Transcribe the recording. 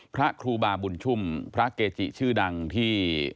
พระครูบาบุญชุ่มพระเกจิชื่อดังที่